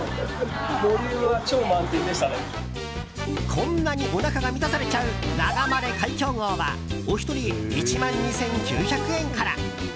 こんなにおなかが満たされちゃうながまれ海峡号はお一人、１万２９００円から。